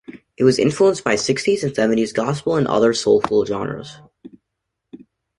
It was influenced by sixties and seventies gospel and other soulful genres.